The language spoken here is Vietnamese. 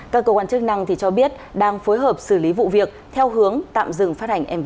các cơ quan chức năng cho biết đang phối hợp xử lý vụ việc theo hướng tạm dừng phát hành mv